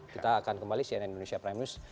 kita akan kembali cnn indonesia prime news